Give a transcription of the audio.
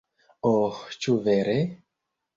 Oh ĉu vere?